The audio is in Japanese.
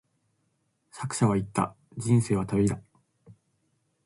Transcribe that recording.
作者は言った、人生は旅だ。